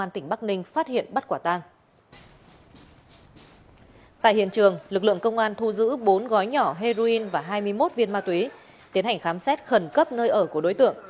tại hiện trường lực lượng công an thu giữ bốn gói nhỏ heroin và hai mươi một viên ma túy tiến hành khám xét khẩn cấp nơi ở của đối tượng